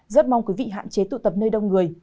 rất mong quý vị hạn chế tụ tập nơi đông người